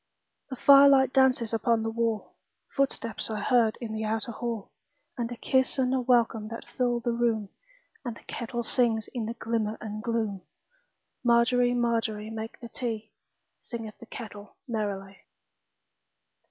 The firelight dances upon the wall, Footsteps are heard in the outer hall, And a kiss and a welcome that fill the room, And the kettle sings in the glimmer and gloom. Margery, Margery, make the tea, Singeth the kettle merrily.